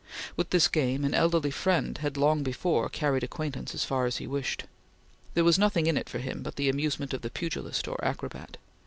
With this game an elderly friend had long before carried acquaintance as far as he wished. There was nothing in it for him but the amusement of the pugilist or acrobat.